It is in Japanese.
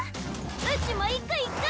うちも行く行く！